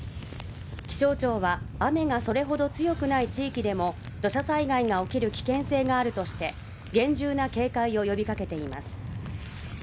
気象庁は雨がそれほど強くない地域でも土砂災害が起きる危険性があるとして厳重な警戒を呼びかけています。